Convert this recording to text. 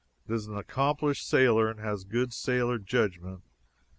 It is an accomplished sailor and has good sailor judgment.